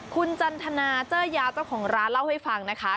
คุณจันทนาเจอร์ยาวเจ้าของร้านเล่าให้ฟังนะคะ